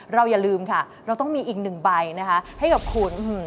อย่าลืมค่ะเราต้องมีอีกหนึ่งใบนะคะให้กับคุณ